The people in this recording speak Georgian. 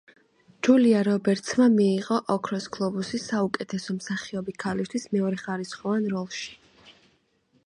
ჯულია რობერტსმა მიიღო ოქროს გლობუსი საუკეთესო მსახიობი ქალისთვის მეორეხარისხოვან როლში.